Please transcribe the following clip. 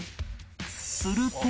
すると